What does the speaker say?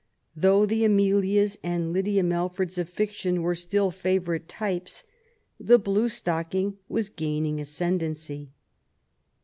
Though the Amelias and Lydia Melfords of fiction were still favourite types, the blue stocking was gaining ascendency.